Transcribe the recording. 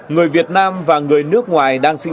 người việt nam và người nước ngoài đang sinh sống